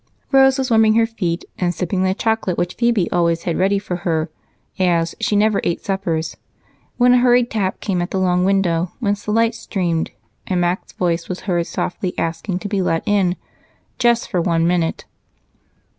Rose was warming her feet and sipping the chocolate which Phebe always had ready for her, as she never ate supper, when a hurried tap came at the long window whence the light streamed and Mac's voice was heard softly asking to be let in "just for one minute."